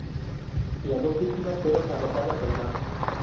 Las dos víctimas fueron arrojadas al mar.